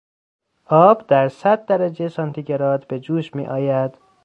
آب در صد درجهی سانتیگراد به جوش میآید.